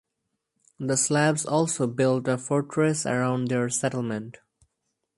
The Slavs also built a fortress around their settlement.